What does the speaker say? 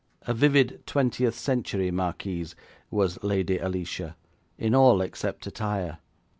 A vivid twentieth century marquise was Lady Alicia, in all except attire.